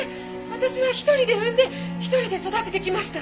私は１人で産んで１人で育ててきました。